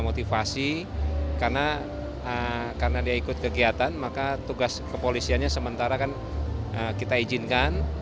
tentu kami selain dari sisi moral juga motivasi karena dia ikut kegiatan maka tugas kepolisiannya sementara kan kita izinkan